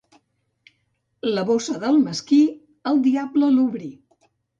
La bossa del mesquí, el diable l'obrí.